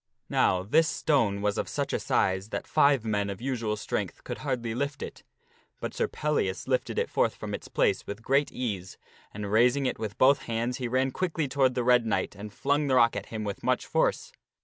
Now this stone was of such a size that five men of usual strength could hardly lift it. But Sir Pellias lifted it forth from its place with great ease, and, raising it with both hands, he ran quickly toward that Red Knight and flung the rock at him with much force.